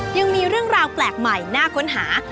ยังมีเรื่องราวแปลกใหม่น่าค้นหา